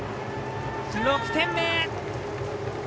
６点目！